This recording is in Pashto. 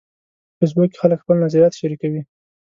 په فېسبوک کې خلک خپل نظریات شریکوي